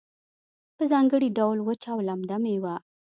په ځانګړي ډول وچه او لمده میوه